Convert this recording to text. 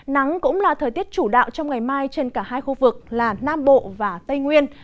nắng cũng là thời tiết chủ đạo trong ngày mai trên cả hai khu vực là nam bộ và tây nguyên